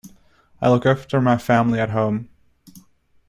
I look after my family at home.